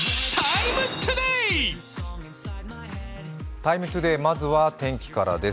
「ＴＩＭＥ，ＴＯＤＡＹ」、まずは天気からです。